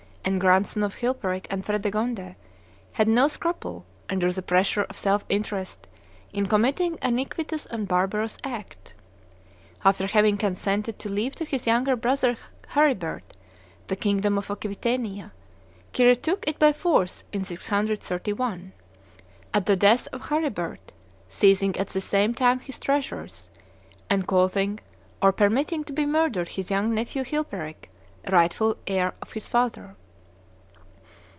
and grandson of Chilperic and Fredegonde, had no scruple, under the pressure of self interest, in committing an iniquitous and barbarous act. After having consented to leave to his younger brother Charibert the kingdom of Aquitania, he retook it by force in 631, at the death of Charibert, seizing at the same time his treasures, and causing or permitting to be murdered his young nephew Chilperic, rightful heir of his father.